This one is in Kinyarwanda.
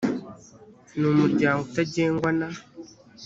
ni umuryango utagengwa na